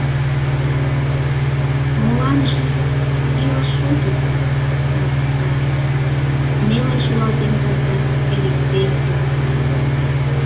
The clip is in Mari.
— Моланже, илыш шот уке, лаваса, — нелын шӱлалтен колта Элексей кугыза.